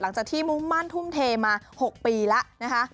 หลังจากที่มุ่งมั่นทุ่มเทมา๖ปีแล้วนะคะ